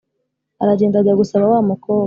aragenda ajya gusaba wa mukobwa.